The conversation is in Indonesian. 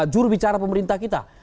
jurubicara pemerintah kita